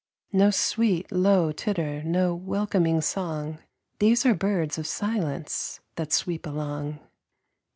No sweet, low titter, no welcoming song; These are birds of silence that sweep along.